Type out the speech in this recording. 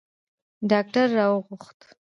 ډاکتر را وغوښت.